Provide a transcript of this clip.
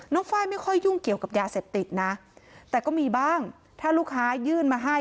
ไฟล์ไม่ค่อยยุ่งเกี่ยวกับยาเสพติดนะแต่ก็มีบ้างถ้าลูกค้ายื่นมาให้